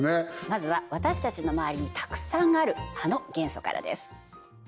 まずは私たちの周りにたくさんあるあの元素からです